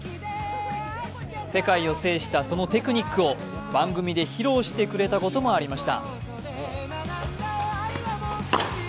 世界を制したそのテクニックを番組で披露してくれたこともありました。